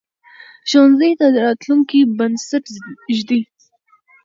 ښوونځی د راتلونکي بنسټ ږدي